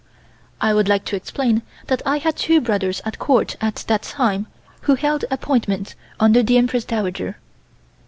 I would like to explain that I had two brothers at Court at that time, who held appointments under the Empress Dowager.